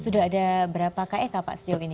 sudah ada berapa kek pak